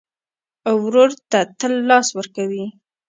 ورور ته تل لاس ورکوې.